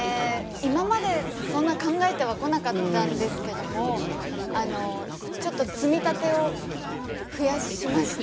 今までそんな考えてはこなかったんですけどもあのちょっと積み立てを増やしました